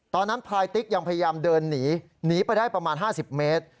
พลายติ๊กยังพยายามเดินหนีหนีไปได้ประมาณ๕๐เมตร